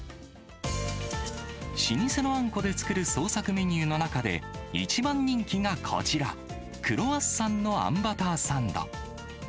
老舗のあんこで作る創作メニューの中で、一番人気がこちら、クロワッサンのあんバターサンド。